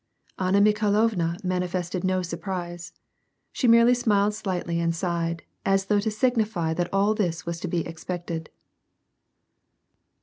Anna Mikhailovna manifested no surprise ; she merely smiled slightly and sighed, as though to signify that all this was to be expected.